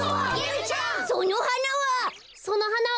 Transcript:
そのはなは。